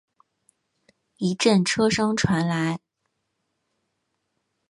一阵车声传来